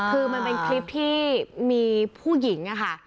คือมันเป็นทีมีผู้หญิง